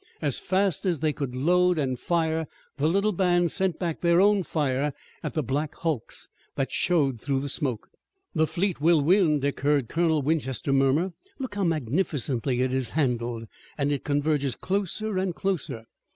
As fast as they could load and fire the little band sent back their own fire at the black hulks that showed through the smoke. "The fleet will win," Dick heard Colonel Winchester murmur. "Look how magnificently it is handled, and it converges closer and closer.